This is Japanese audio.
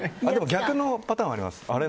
逆のパターンはあります。